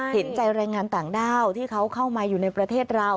เห็นใจแรงงานต่างด้าวที่เขาเข้ามาอยู่ในประเทศเรา